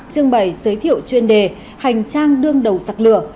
trưng bày giới thiệu chuyên đề hành trang đương đầu giặc lửa